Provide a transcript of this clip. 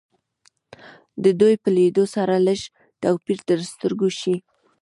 د دوی په لیدو سره لږ توپیر تر سترګو شي